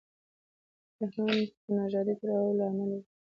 یا هم د نژادي تړاو له امله وي.